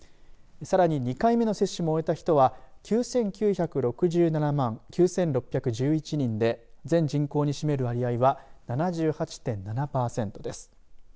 さらに、２回目の接種も終えた人は９９６７万９６１１人で全人口に占める割合は７８．７パーセントです。